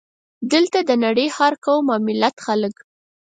دلته د نړۍ د هر قوم او ملت خلک.